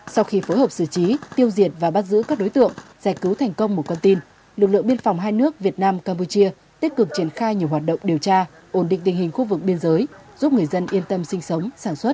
sau khi phối hợp xử trí tiêu diệt và bắt giữ các đối tượng giải cứu thành công một con tin lực lượng biên phòng hai nước việt nam campuchia tích cực triển khai nhiều hoạt động điều tra ổn định tình hình khu vực biên giới giúp người dân yên tâm sinh sống sản xuất